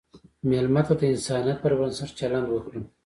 مېلمه ته د انسانیت پر بنسټ چلند وکړه.